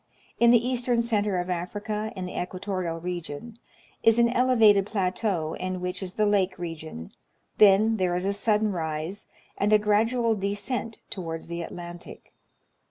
In the eastern center of Africa, in the equatorial region, is an elevated plateau in which is the lake region, then there is a sudden rise, and a gradual descent towards the Atlantic.